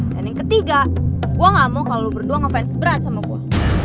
dan yang ketiga gua gak mau kalo lu berdua ngefans berat sama gua